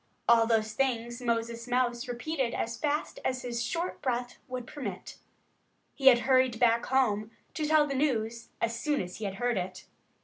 All those things Moses Mouse repeated as fast as his short breath would permit. He had hurried back home to tell the news as soon as he had heard it.